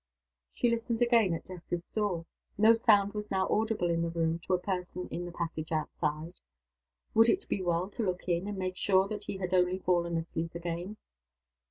She listened again at Geoffrey's door. No sound was now audible in the room to a person in the passage outside. Would it be well to look in, and make sure that he had only fallen asleep again?